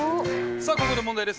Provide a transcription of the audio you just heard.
さあ、ここで問題です。